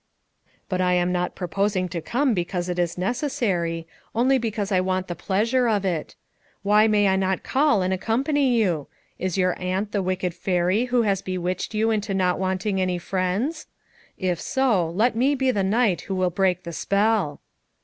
"But I am not proposing to come because it is necessary, only hecauso I want the pleas ure of it. Why may I not call and accompany you? Is your aunt the wicked fairy who has bewitched you into not wanting any friends'? If so, let me be the knight who will break the spell."